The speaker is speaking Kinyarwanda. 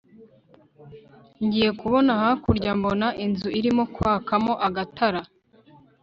ngiye kubona hakurya mbona inzu irimo kwakamo agatara